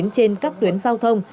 trên các tuyến giao thông